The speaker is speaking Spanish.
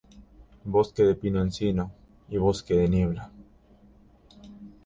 Bosque de pino-encino y bosque de niebla.